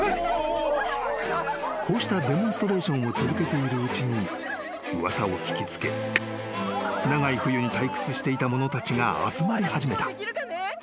［こうしたデモンストレーションを続けているうちに噂を聞き付け長い冬に退屈していた者たちが集まり始めた］